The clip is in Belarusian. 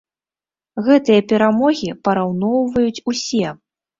Гэтыя перамогі параўноўваюць усе.